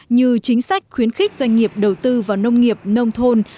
như chính sách khuyến khích doanh nghiệp đầu tư vào nông nghiệp nông thôn